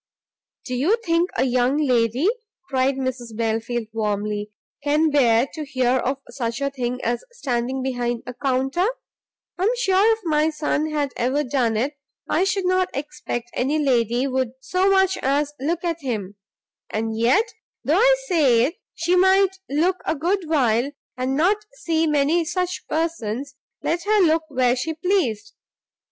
"Do you think a young lady," cried Mrs Belfield warmly, "can bear to hear of such a thing as standing behind a counter? I am sure if my son had ever done it, I should not expect any lady would so much as look at him, And yet, though I say it, she might look a good while, and not see many such persons, let her look where she pleased.